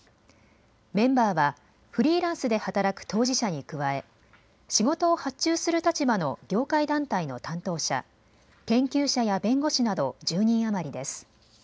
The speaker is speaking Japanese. メンバーはフリーランスで働く当事者に加え仕事を発注する立場の業界団体の担当者、研究者や弁護士など１０人余りです。